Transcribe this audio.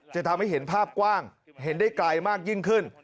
จะทำให้เห็นภาพกว้างเห็นได้ไกลมากยิ่งขึ้น